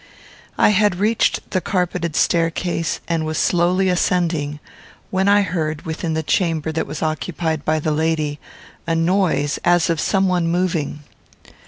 I had reached the carpeted staircase, and was slowly ascending, when I heard, within the chamber that was occupied by the lady, a noise, as of some one moving.